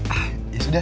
ah ya sudah